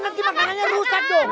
nanti makanannya rusak dong